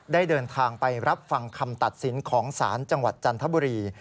ได้เดินทางไปรับฟังคำตัดสินของศาลจังหวัดจันทบุรี